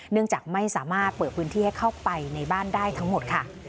เนื่องจากไม่สามารถเปิดพื้นที่ให้เข้าไปในบ้านได้ทั้งหมดค่ะ